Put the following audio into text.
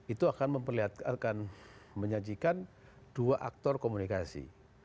itu akan menyajikan dua aktor komunikasi